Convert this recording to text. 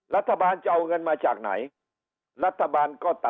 รัฐบาลจะเอาเงินมาจากไหนรัฐบาลก็ตัด